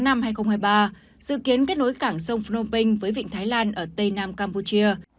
dự kiến kết nối cảng sông phnom penh với vịnh thái lan ở tây nam campuchia